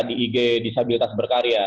di ig disabilitas berkarya